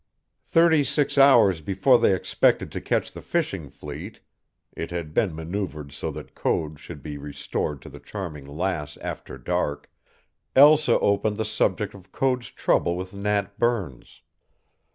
Thirty six hours before they expected to catch the fishing fleet (it had been maneuvered so that Code should be restored to the Charming Lass after dark), Elsa opened the subject of Code's trouble with Nat Burns.